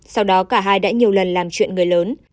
sau đó cả hai đã nhiều lần làm chuyện người lớn